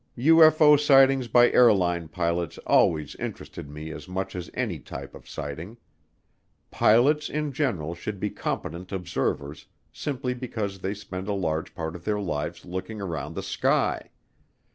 UFO sightings by airline pilots always interested me as much as any type of sighting. Pilots in general should be competent observers simply because they spend a large part of their lives looking around the sky.